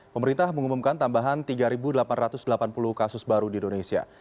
pemerintah mengumumkan tambahan tiga delapan ratus delapan puluh kasus baru di indonesia